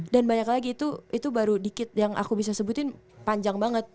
dan banyak lagi itu itu baru dikit yang aku bisa sebutin panjang banget